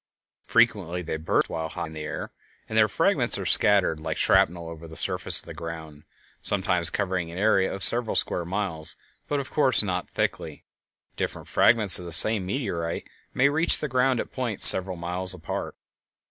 Frequently they burst while high in the air and their fragments are scattered like shrapnel over the surface of the ground, sometimes covering an area of several square miles, but of course not thickly; different fragments of the same meteorite may reach the ground at points several miles apart.